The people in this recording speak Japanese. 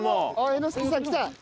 猿之助さんきた！